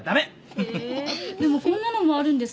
へえでもこんなのもあるんですね。